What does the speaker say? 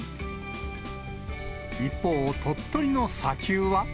一方、鳥取の砂丘は。